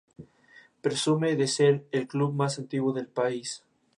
Presume de ser el club más antiguo del país.